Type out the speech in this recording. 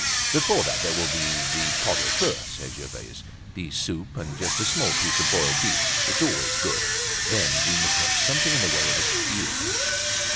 "Before that there will be the pot au feu," said Gervaise, "the soup and just a small piece of boiled beef, it's always good. Then we must have something in the way of a stew."